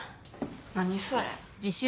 何それ。